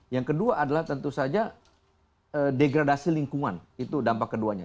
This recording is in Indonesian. yang kedua adalah tentu saja degradasi lingkungan itu dampak keduanya